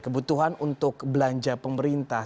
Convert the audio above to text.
kebutuhan untuk belanja pemerintah